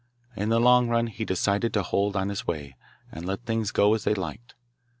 In the long run he decided to hold on his way, and let things go as they liked.